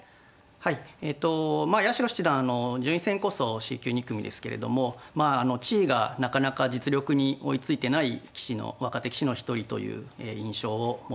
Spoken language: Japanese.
はいえとまあ八代七段順位戦こそＣ級２組ですけれども地位がなかなか実力に追いついてない若手棋士の一人という印象を持ってます。